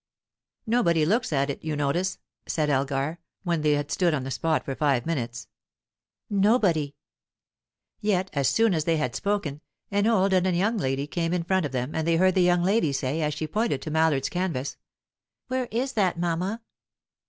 "Nobody looks at it, you notice," said Elgar, when they had stood on the spot for five minutes. "Nobody." Yet as soon as they had spoken, an old and a young lady came in front of them, and they heard the young lady say, as she pointed to Mallard's canvas: "Where is that, mamma?"